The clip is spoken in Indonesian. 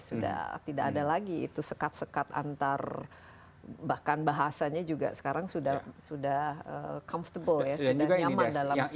sudah tidak ada lagi itu sekat sekat antar bahkan bahasanya juga sekarang sudah nyaman